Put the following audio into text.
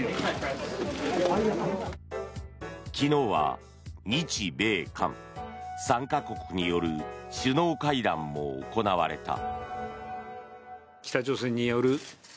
昨日は日米韓３か国による首脳会談も行われた。